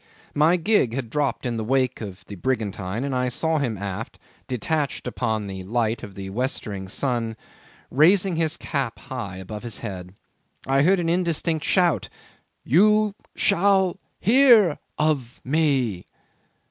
'My gig had dropped in the wake of the brigantine, and I saw him aft detached upon the light of the westering sun, raising his cap high above his head. I heard an indistinct shout, "You shall hear of me."